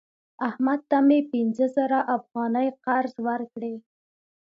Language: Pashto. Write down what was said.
احمد ته مې پنځه زره افغانۍ قرض ورکړی